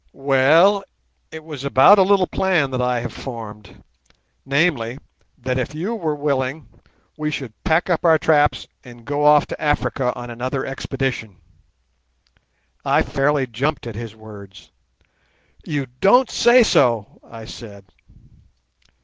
"Well, it was about a little plan that I have formed—namely, that if you were willing we should pack up our traps and go off to Africa on another expedition." I fairly jumped at his words. "You don't say so!" I said.